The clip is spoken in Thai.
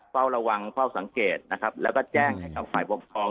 เฝ้าระวังเฝ้าสังเกตนะครับแล้วก็แจ้งให้กับฝ่ายปกครอง